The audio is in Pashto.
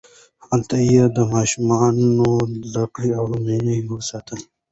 هلته یې د ماشومانو زدکړه او مینه وستایله.